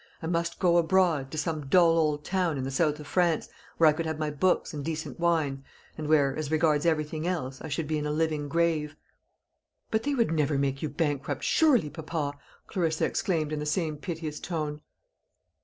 I must go abroad, to some dull old town in the south of France, where I could have my books and decent wine, and where, as regards everything else, I should be in a living grave. "But they would never make you bankrupt surely, papa;" Clarissa exclaimed in the same piteous tone.